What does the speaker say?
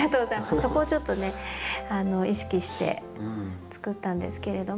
そこをちょっと意識してつくったんですけれども。